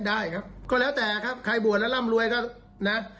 ได้ครับก็แล้วแต่ครับใครบวชแล้วร่ำรวยก็นะ